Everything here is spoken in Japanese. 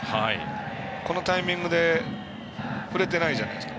このタイミングで振れてないじゃないですか。